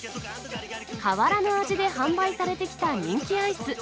変わらぬ味で販売されてきた人気アイス。